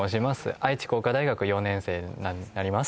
愛知工科大学４年生になります